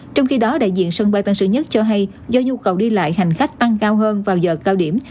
trong khi đó đại diện sân bay tân sơn nhất cho hay do nhu cầu đi lại hành khách tăng cao hơn vào giờ cao điểm